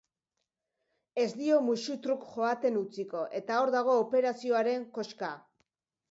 Ez dio muxutruk joaten utziko eta hor dago operazioaren koska.